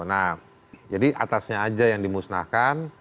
nah jadi atasnya aja yang dimusnahkan